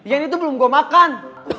yang itu belum gue makan